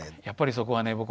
やっぱりそこはね